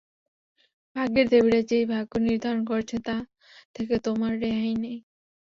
ভাগ্যের দেবীরা যেই ভাগ্য নির্ধারণ করেছে, তা থেকে তোমার রেহাই নেই।